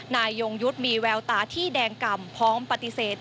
ยงยุทธ์มีแววตาที่แดงกำพร้อมปฏิเสธ